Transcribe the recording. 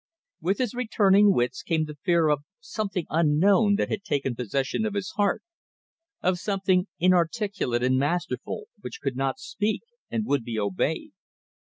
With his returning wits came the fear of something unknown that had taken possession of his heart, of something inarticulate and masterful which could not speak and would be obeyed.